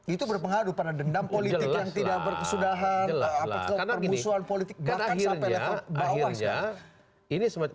itu berpengaruh pada dendam politik yang tidak berkesudahan ke permusuhan politik bahkan sampai level bawah